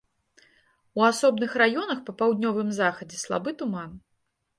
У асобных раёнах па паўднёвым захадзе слабы туман.